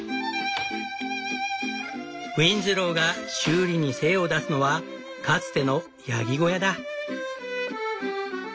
ウィンズローが修理に精を出すのはかつてのヤギ小屋だ。